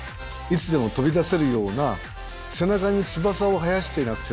いつでも飛び出せるような背中に翼を生やしてなくてはいけない。